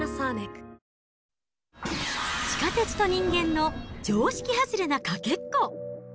地下鉄と人間の常識外れなかけっこ。